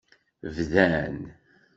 Bdan.